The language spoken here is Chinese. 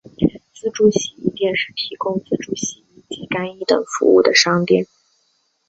自助洗衣店是提供自助洗衣及干衣等服务的商店。